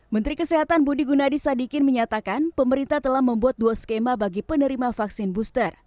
menteri kesehatan budi gunadi sadikin menyatakan pemerintah telah membuat dua skema bagi penerima vaksin booster